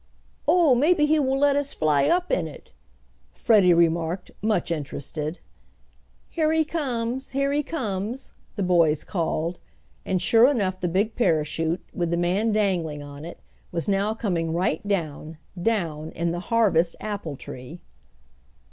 "Oh, maybe he will let us fly up in it," Freddie remarked, much interested. "Here he comes! here he comes!" the boys called, and sure enough the big parachute, with the man dangling on it, was now coming right down down in the harvest apple tree!